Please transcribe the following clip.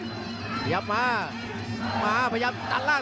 พยายามมามาพยายามตัดล่าง